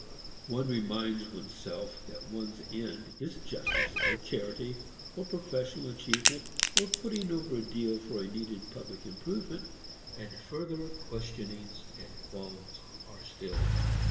One reminds one's self that one's end is justice or charity or professional achievement or putting over a deal for a needed public improvement, and further questionings and qualms are stilled.